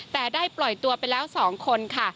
แต่ได้ปล่อยตัวไปแล้ว๒คนค่ะ